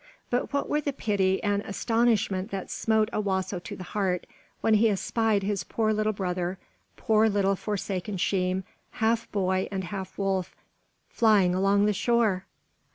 But what were the pity and astonishment that smote Owasso to the heart when he espied his poor little brother poor little forsaken Sheem half boy and half wolf, flying along the shore!